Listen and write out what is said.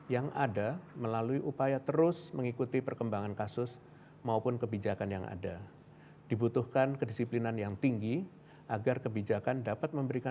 yang durasinya dibedakan antara